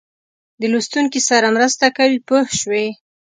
د لوستونکي سره مرسته کوي پوه شوې!.